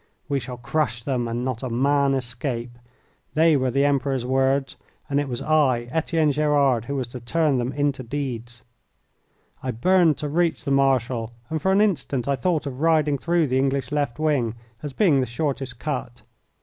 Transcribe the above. "We shall crush them and not a man escape." They were the Emperor's words, and it was I, Etienne Gerard, who was to turn them into deeds. I burned to reach the Marshal, and for an instant I thought of riding through the English left wing, as being the shortest cut.